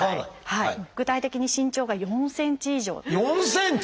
具体的に身長が４ｃｍ以上４ｃｍ！？